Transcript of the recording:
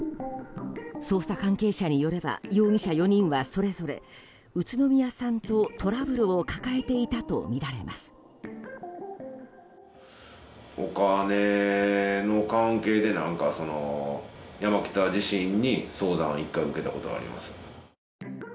捜査関係者によれば容疑者４人はそれぞれ宇都宮さんとトラブルを抱えていたとみられます。